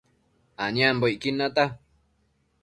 aniambocquid nata